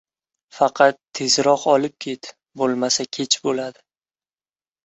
Faqat, tezroq olib ket, bo‘lmasa, kech bo‘ladi...